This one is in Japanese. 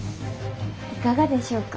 いかがでしょうか？